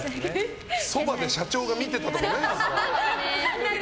そばで社長が見てたとかないですか？